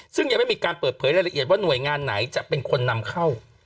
ซึ่งยังไม่มีการเปิดเผยรายละเอียดว่าหน่วยงานไหนจะเป็นคนนำเข้า